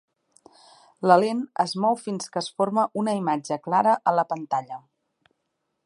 La lent es mou fins que es forma una imatge clara a la pantalla.